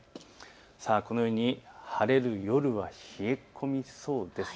このように晴れで夜は冷え込みそうです。